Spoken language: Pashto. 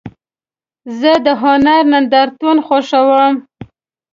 زه د هنر نندارتون خوښوم.